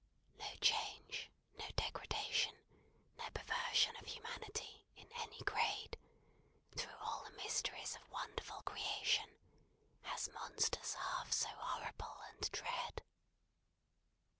No change, no degradation, no perversion of humanity, in any grade, through all the mysteries of wonderful creation, has monsters half so horrible and dread.